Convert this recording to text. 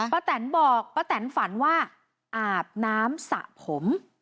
แตนบอกป้าแตนฝันว่าอาบน้ำสระผม